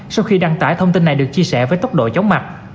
sau khi đăng tải thông tin này được chia sẻ với tốc độ chóng mặt